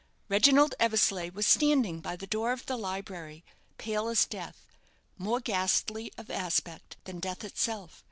Reginald Eversleigh was standing by the door of the library, pale as death more ghastly of aspect than death itself.